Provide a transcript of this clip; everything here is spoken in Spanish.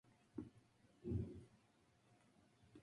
James Gunn nació y creció en San Luis, Misuri.